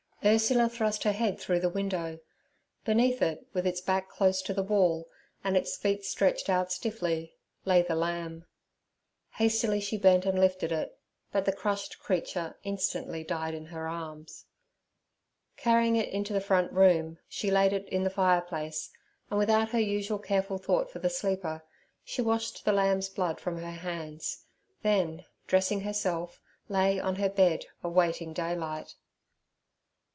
Ursula thrust her head through the window. Beneath it, with its back close to the wall, and its feet stretched out stiffly, lay the lamb. Hastily she bent and lifted it, but the crushed creature instantly died in her arms. Carrying it into the front room, she laid it in the fire place, and without her usual careful thought for the sleeper, she washed the lamb's blood from her hands, then, dressing herself, lay on her bed awaiting daylight.